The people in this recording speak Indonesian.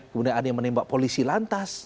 kemudian ada yang menembak polisi lantas